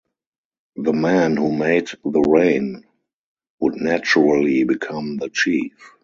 The man who made the rain would naturally become the chief.